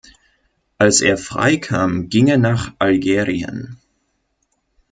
Als er freikam, ging er nach Algerien.